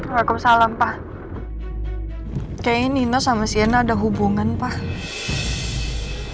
waalaikumsalam pak kayaknya nino sama siana ada hubungan pak